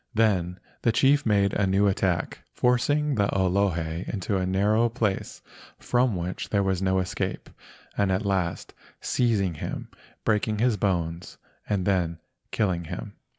Then the chief made a new attack, forcing the Olohe into a narrow place from which there was no escape, and at last seizing him, breaking his bones, and then killing him.